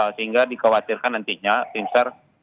sehingga dikhawatirkan nantinya tim sar